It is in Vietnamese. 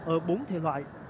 ở bốn thể loại